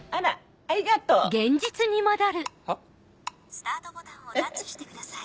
スタートボタンをタッチしてください。